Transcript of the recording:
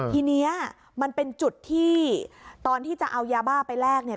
ทีนี้มันเป็นจุดที่ตอนที่จะเอายาบ้าไปแลกเนี่ย